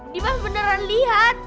dimas beneran lihat